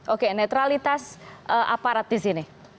oke netralitas aparat disini